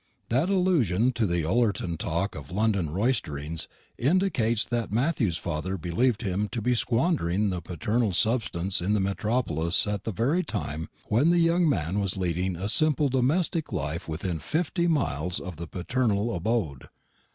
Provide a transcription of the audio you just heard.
That allusion to the Ullerton talk of London roisterings indicates that Matthew's father believed him to be squandering the paternal substance in the metropolis at the very time when the young man was leading a simple domestic life within fifty miles of the paternal abode.